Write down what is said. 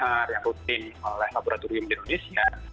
mau itu artifisik yang rutin oleh laboratorium di indonesia